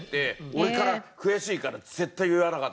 俺から悔しいから絶対言わなかったんだけど